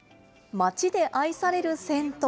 街で愛される銭湯。